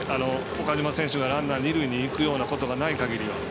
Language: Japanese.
岡島選手がランナー二塁にいくようなことがなければ。